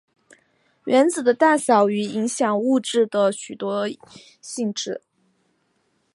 原子的大小与影响物质的许多性质。